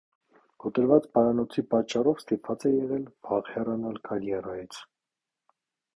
Կոտրված պարանոցի պատճառով ստիպված է եղել վաղ հեռանալ կարիերայից։